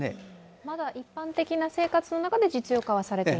まだ一般的な生活の中で実用化はされていない？